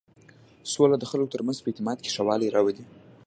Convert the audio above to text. سوله د خلکو تر منځ په اعتماد کې ښه والی راولي.